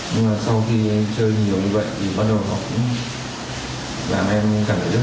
nhưng mà sau khi em chơi nhiều như vậy thì bắt đầu nó cũng làm em cảm thấy rất là mệt